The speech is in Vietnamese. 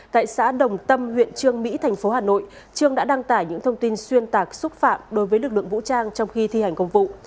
tại xã đồng tâm huyện trương mỹ thành phố hà nội trương đã đăng tải những thông tin xuyên tạc xúc phạm đối với lực lượng vũ trang trong khi thi hành công vụ